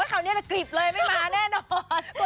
คราวนี้กรีบเลยไม่มาแน่นอน